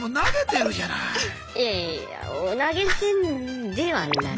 いやいやいや投げ銭ではない。